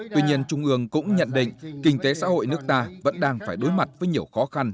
tuy nhiên trung ương cũng nhận định kinh tế xã hội nước ta vẫn đang phải đối mặt với nhiều khó khăn